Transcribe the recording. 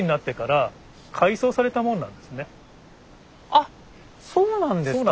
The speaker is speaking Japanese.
あっそうなんですか。